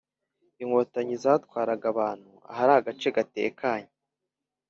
Inkotanyi zatwaraga abantu ahari agace gatekanye